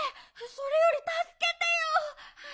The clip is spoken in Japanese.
それよりたすけてよ。